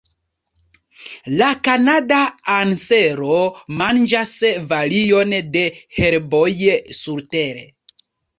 La Kanada ansero manĝas varion de herboj surtere.